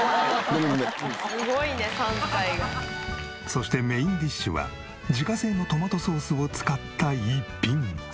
そしてメインディッシュは自家製のトマトソースを使った逸品。